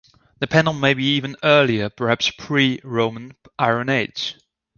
The panel may be even earlier, perhaps pre-Roman Iron Age.